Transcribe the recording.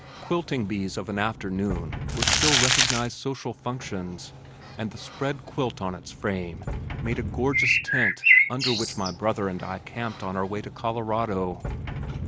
Quilting bees of an afternoon were still recognized social functions and the spread quilt on its frame made a gorgeous tent under which my brother and I camped on our way to "Colorado."